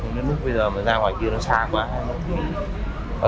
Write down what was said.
không biết lúc bây giờ mà ra ngoài kia nó xả quá hay không